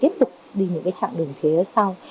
tiếp tục đi những trạng đường phía sau